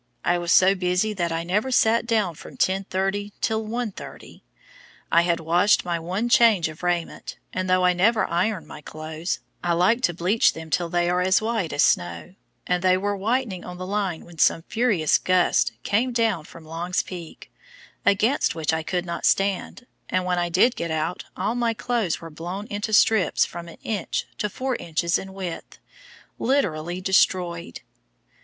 I was so busy that I never sat down from 10:30 till 1:30. I had washed my one change of raiment, and though I never iron my clothes, I like to bleach them till they are as white as snow, and they were whitening on the line when some furious gusts came down from Long's Peak, against which I could not stand, and when I did get out all my clothes were blown into strips from an inch to four inches in width, literally destroyed!